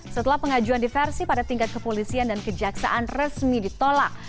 setelah pengajuan diversi pada tingkat kepolisian dan kejaksaan resmi ditolak